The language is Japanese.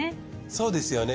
そうですよね。